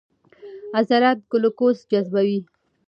عضلات ګلوکوز جذبوي.